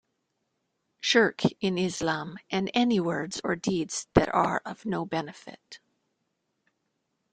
Shirk in Islam, and any words or deeds that are of no benefit.